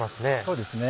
そうですね。